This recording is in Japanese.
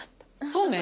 そうね。